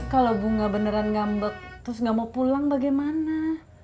kalau bunga beneran ngambek terus nggak mau pulang bagaimana